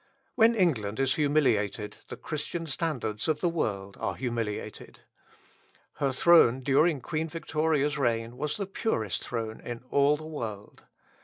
When England is humiliated the Christian standards of the world are humiliated. Her throne during Queen Victoria's reign was the purest throne in all the world.